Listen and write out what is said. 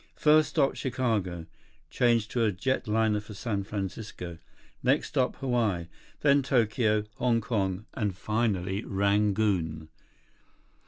First stop Chicago. Change to a jetliner for San Francisco. Next stop Hawaii. Then Tokyo, Hong Kong, and finally Rangoon.